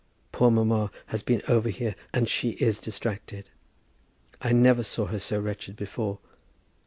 Poor mamma has been over here, and she is distracted. I never saw her so wretched before.